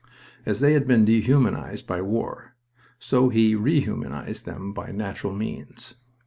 As they had been dehumanized by war, so he rehumanized them by natural means.